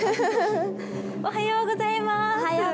おはようございまーす。